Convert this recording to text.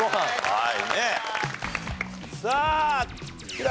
はい。